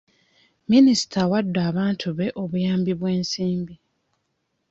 Minisita awadde abantu be obuyambi obw'ensimbi.